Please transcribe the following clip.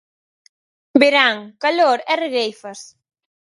Verán, calor e regueifas.